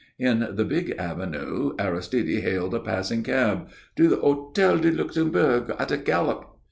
In the big avenue Aristide hailed a passing cab. "To the Hôtel du Luxembourg at a gallop!"